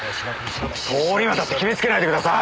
通り魔だって決めつけないでください！